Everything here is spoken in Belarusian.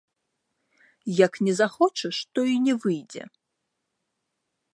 Як не захочаш, то і не выйдзе.